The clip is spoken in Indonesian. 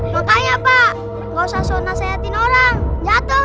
makanya pak nggak usah suruh nasihatin orang jatuh kan